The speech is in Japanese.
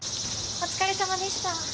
お疲れ様でした。